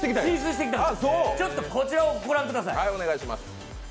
ちょっとこちらをご覧ください。